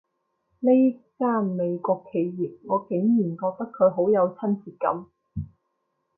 呢間美國企業，我竟然覺得佢好有親切感